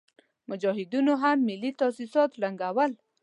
مجاهدينو هم ملي تاسيسات ړنګول.